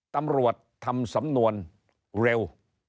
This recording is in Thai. ตำรวจทำสำนวนเร็ว